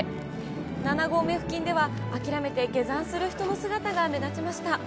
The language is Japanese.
７合目付近では、諦めて下山する人の姿が目立ちました。